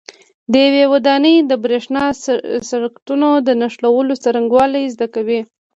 د یوې ودانۍ د برېښنا سرکټونو د نښلولو څرنګوالي زده کوئ.